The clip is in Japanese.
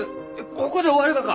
ここで終わるがか！？